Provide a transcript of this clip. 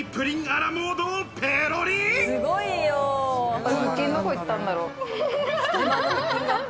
腹筋どこいったんだろう？